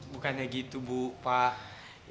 bukannya gitu bu pak